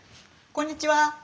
こんにちは。